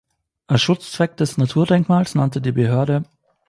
Als Schutzzweck des Naturdenkmals nannte die Behörde